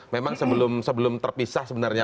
memang sebelum terpisah sebenarnya